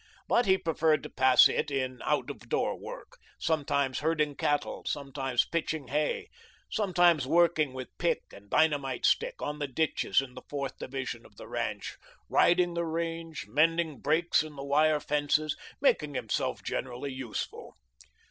But he preferred to pass it in out of door work, sometimes herding cattle, sometimes pitching hay, sometimes working with pick and dynamite stick on the ditches in the fourth division of the ranch, riding the range, mending breaks in the wire fences, making himself generally useful.